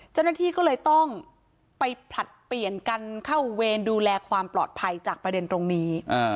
เจ้าหน้าที่ก็เลยต้องไปผลัดเปลี่ยนกันเข้าเวรดูแลความปลอดภัยจากประเด็นตรงนี้